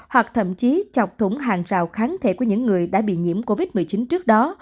hoặc thậm chí chọc thủng hàng rào kháng thể của những người đã bị nhiễm covid một mươi chín trước đó